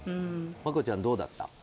マコちゃん、どうだった？